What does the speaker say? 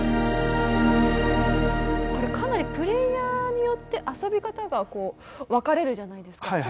これかなりプレイヤーによって遊び方が分かれるじゃないですか。